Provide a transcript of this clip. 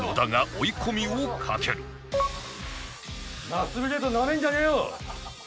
マッスルゲートなめんじゃねえよ！